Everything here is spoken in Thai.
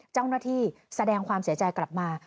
เจ้าหน้าที่แสดงความเสียใจกลับมา